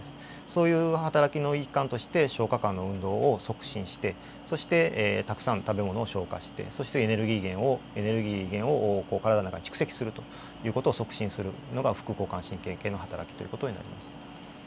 そういうはたらきの一環として消化管の運動を促進してそしてたくさん食べ物を消化してそしてエネルギー源をエネルギー源を体の中に蓄積するという事を促進するのが副交感神経系のはたらきという事になります。